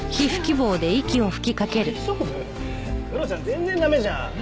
全然駄目じゃん。